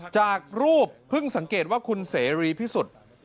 จากรูปเพิ่งสังเกตว่าคุณเสรีพิสุทธิ์